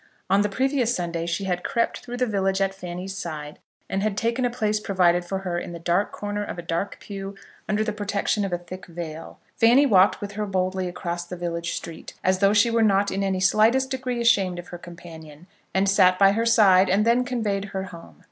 On the previous Sunday she had crept through the village at Fanny's side, and had taken a place provided for her in the dark corner of a dark pew under the protection of a thick veil. Fanny walked with her boldly across the village street, as though she were not in any slightest degree ashamed of her companion, and sat by her side, and then conveyed her home.